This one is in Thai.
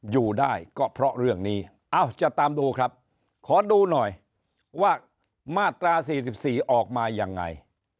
อยู่ได้ก็เพราะเรื่องนี้จะตามดูครับขอดูหน่อยว่ามาตรา๔๔ออกมายังไง